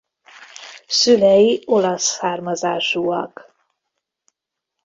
Szülei olasz származásúak.